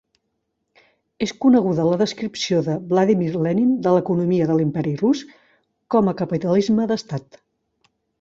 És coneguda la descripció de Vladimir Lenin de l'economia de l'Imperi Rus com a capitalisme d'estat.